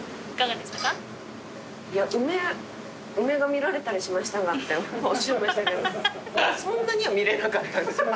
いや梅が見られたりしましたがっておっしゃいましたけどそんなには見れなかったです。